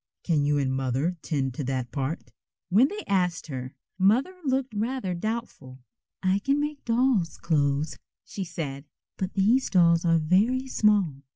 "Can you and Mother 'tend to that part?" When they asked her, Mother looked rather doubtful. "I can make dolls' clothes," she said, "but these dolls are very small.